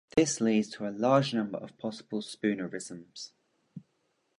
This leads to large number of possible spoonerisms.